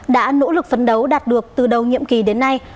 đã nỗ lực phấn đấu đạt được từ đầu nhiệm kỳ đến nay